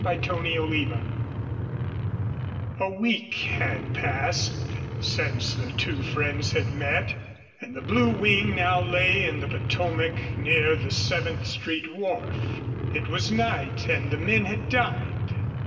CHAPTER IV A week had passed since the two friends had met, and the Blue Wing now lay in the Potomac near the Seventh Street wharf. It was night and the men had dined.